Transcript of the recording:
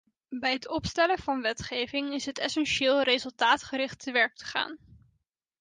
Bij het opstellen van wetgeving is het essentieel resultaatgericht te werk te gaan.